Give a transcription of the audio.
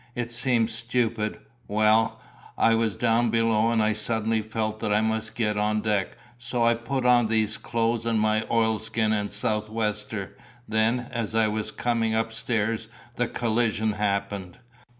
It seems stupid well, I was down below and I suddenly felt that I must get on deck, so I put on these clothes and my oilskin and sou'wester, then, as I was coming upstairs the collision happened.